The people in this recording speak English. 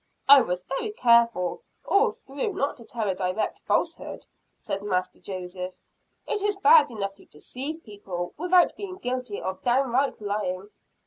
"I was very careful all through not to tell a direct falsehood," said Master Joseph; "it is bad enough to deceive people, without being guilty of downright lying."